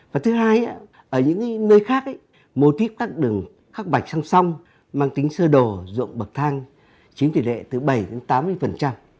và thứ hai ở những nơi khác mô típ các đường khắc bạch song song mang tính sơ đồ dụng bậc thang chiếm tỷ lệ từ bảy đến tám mươi